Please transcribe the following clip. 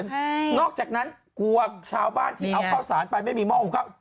ใช่นอกจากนั้นกลัวชาวบ้านที่เอาข้าวสารไปไม่มีหม้อหุงข้าว